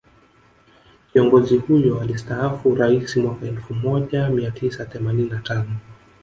Kiongozi huyo alistaafu Uraisi mwaka elfu moja mia tisa themanini na tano